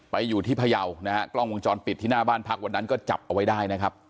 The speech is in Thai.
ไปอยู่ที่พยาวนะฮะกล้องวงจรปิดที่หน้าบ้านพักวันนั้นก็จับเอาไว้ได้นะครับ